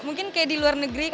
mungkin kayak di luar negeri